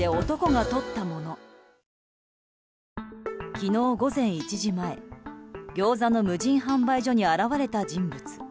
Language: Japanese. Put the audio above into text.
昨日午前１時前ギョーザの無人販売所に現れた人物。